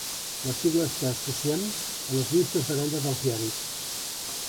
Les sigles que associem a les llistes de venda dels diaris.